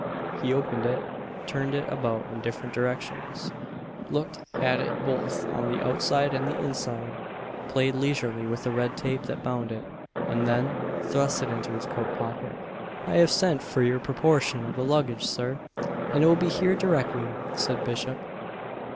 He opened it; turned it about in different directions; looked at it both on the outside and the inside, played leisurely with the red tape that bound it, and then thrust it into his coat pocket. "I have sent for your proportion of the luggage, Sir, and it will be here directly," said Bishop.